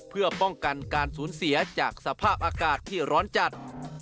เพื่อป้องกันการสูญเสียจากสภาพอากาศที่ร้อนจัด